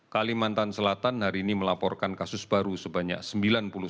kalimantan selatan hari ini melaporkan kasus baru sebanyak sembilan puluh satu orang dan satu sembuh